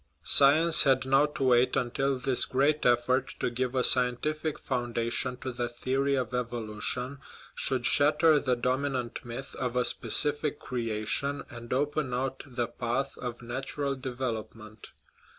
Science had now to wait until this great effort to give a scientific foundation to the theory of evolution should shatter the dominant myth of a " specific creation, and open out the path of natural " development.